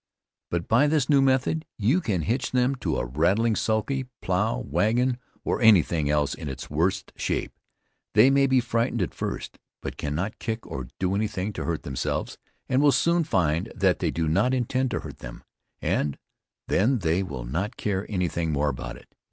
But by this new method you can hitch them to a rattling sulky, plow, wagon, or anything else in its worst shape. They may be frightened at first, but cannot kick or do any thing to hurt themselves, and will soon find that you do not intend to hurt them, and then they will not care any thing more about it.